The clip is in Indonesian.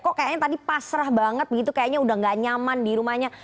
kok kayaknya tadi pasrah banget begitu kayaknya udah gak nyaman di rumahnya